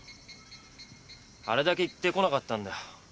あれだけ言って来なかったんだ。